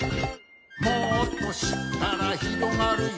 「もっとしったらひろがるよ」